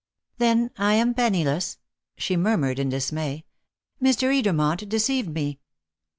"Then I am penniless?" she murmured in dismay. "Mr. Edermont deceived me!"